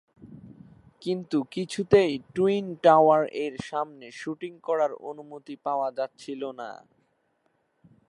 কিন্তু কিছুতেই twin tower এর সামনে শুটিং করার অনুমতি পাওয়া যাচ্ছিল না।